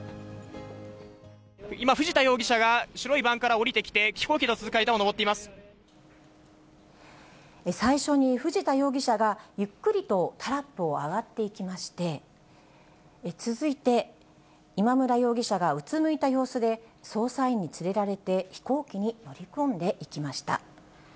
今、藤田容疑者が白いバンから降りてきて、飛行機に続く階段を上って最初に、藤田容疑者がゆっくりとタラップを上がっていきまして、続いて今村容疑者がうつむいた様子で捜査員に連れられて飛行機に乗り込んでいきました。